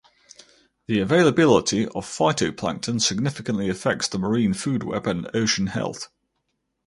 The availability of phytoplankton significantly affects the marine food web and ocean health.